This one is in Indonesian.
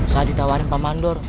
saya ditawarkan pak mandor